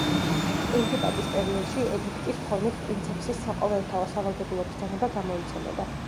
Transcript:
პრინციპატის პერიოდში ედიქტის ფორმით პრინცეფსის საყოველთაო სავალდებულო ბრძანება გამოიცემოდა.